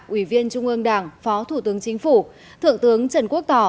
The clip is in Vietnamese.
ủy viên trung ương đảng phó thủ tướng chính phủ thượng tướng trần quốc tỏ